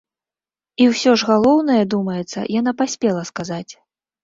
І ўсё ж галоўнае, думаецца, яна паспела сказаць.